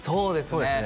そうですね